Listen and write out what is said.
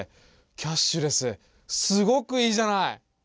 キャッシュレスすごくいいじゃない！